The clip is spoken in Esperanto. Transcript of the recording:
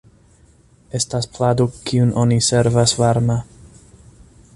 Estas plado kiun oni servas varma.